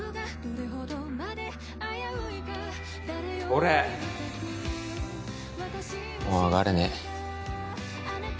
俺もう上がれねえ。